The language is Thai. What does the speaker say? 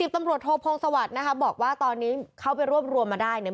ตำรวจโทพงศวรรค์นะคะบอกว่าตอนนี้เข้าไปรวบรวมมาได้เนี่ย